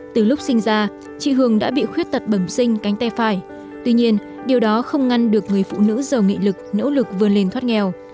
từ lúc sinh ra chị hường đã bị khuyết tật bẩm sinh cánh tay phải tuy nhiên điều đó không ngăn được người phụ nữ giàu nghị lực nỗ lực vươn lên thoát nghèo